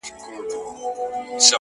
ما به له زړه درته ټپې په زړه کي وويلې-